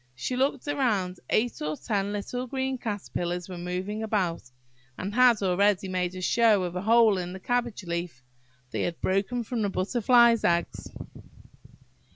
She looked round–eight or ten little green caterpillars were moving about, and had already made a show of a hole in the cabbage leaf. They had broken from the Butterfly's eggs!